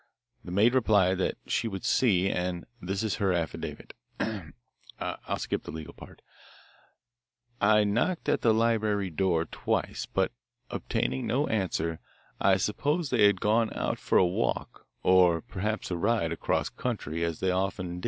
The maid replied that she would see, and this is her affidavit. Ahem! I'll skip the legal part: 'I knocked at the library door twice, but obtaining no answer, I supposed they had gone out for a walk or perhaps a ride across country as they often did.